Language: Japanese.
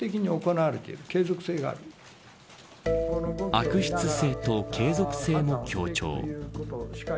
悪質性と継続性の強調。